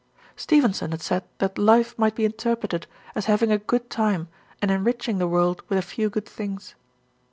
Stevenson had said that life might be interpreted as having a good time and enriching the world with a few good things.